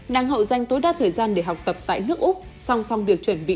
nàng hậu dành tối đa thời gian để học tập tại nước úc song song việc chuẩn bị